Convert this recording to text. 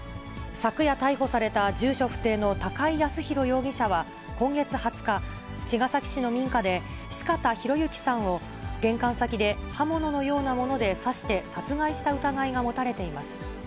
昨夜逮捕された住所不定の高井靖弘容疑者は今月２０日、茅ヶ崎市の民家で、四方洋行さんを玄関先で刃物のようなもので刺して殺害した疑いが持たれています。